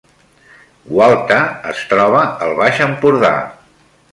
Gualta es troba al Baix Empordà